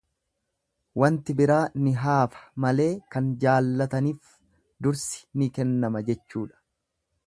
Wanti biraa ni haafa malee kan jaallatanif dursi ni kennama jechuudha.